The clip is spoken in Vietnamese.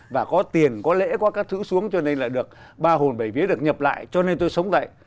và có tiền có lẽ có các thứ xuống cho nên là được ba hồn bảy vía được nhập lại cho nên tôi sống vậy